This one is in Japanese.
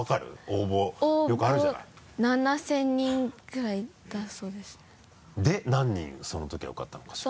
応募７０００人ぐらいだそうですで何人そのときは受かったの？